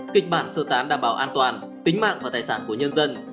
kịch bản sơ tán đảm bảo an toàn tính mạng và tài sản của nhân dân